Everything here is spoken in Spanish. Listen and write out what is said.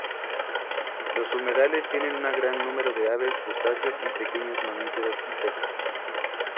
Los humedales tienen un gran número de aves, crustáceos, pequeños mamíferos y peces.